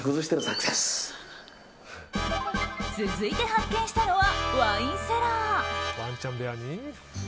続いて発見したのはワインセラー。